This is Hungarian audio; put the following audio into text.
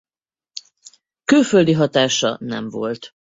Külföldi hatása nem volt.